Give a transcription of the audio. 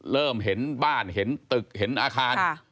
เริ่มเห็นบ้านเห็นตึกเห็นอาคาร